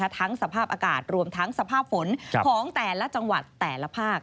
สภาพอากาศรวมทั้งสภาพฝนของแต่ละจังหวัดแต่ละภาค